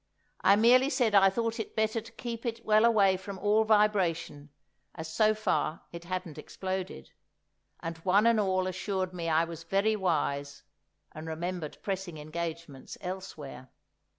I merely said I thought it better to keep it well away from all vibration, as so far it hadn't exploded. And one and all assured me I was very wise, and remembered pressing engagements elsewhere.